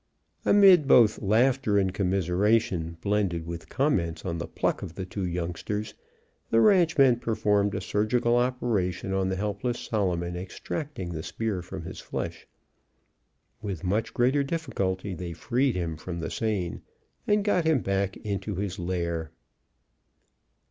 Amid both laughter and commiseration, blended with comments on the pluck of the two youngsters, the ranchmen performed a surgical operation on the helpless Solomon, extracting the spear from his flesh. With much greater difficulty they freed him from the seine and got him back into his lair.